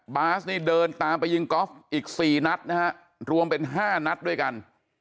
บาสนี่เดินตามไปยิงกอล์ฟอีก๔นัดนะฮะรวมเป็น๕นัดด้วยกัน